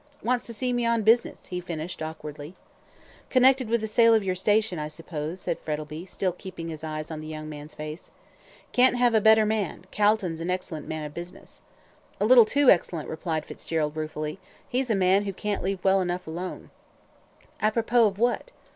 "Wants to see me on business," he finished, awkwardly. "Connected with the sale of your station, I suppose," said Frettlby, still keeping his eyes on the young man's face. "Can't have a better man. Calton's an excellent man of business." "A little too excellent," replied Fitzgerald, ruefully, "he's a man who can't leave well alone." "A PROPOS of what?"